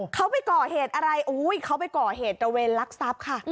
เขาไปก่อเหตุอะไรเขาไปก่อเหตุตระเวนลักทรัพย์ค่ะ